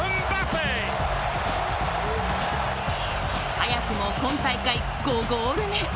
早くも今大会５ゴール目。